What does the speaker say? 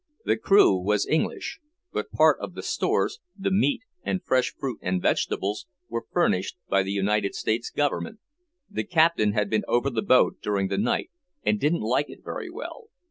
The crew was English, but part of the stores, the meat and fresh fruit and vegetables, were furnished by the United States Government. The Captain had been over the boat during the night, and didn't like it very well.